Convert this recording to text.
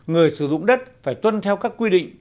người sử dụng đất phải tuân theo các quy định